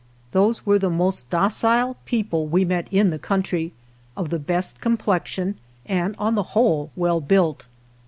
Those were the most docile people we met in the country, of the best complexion, and on the whole well built.